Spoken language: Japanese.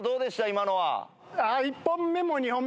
今のは。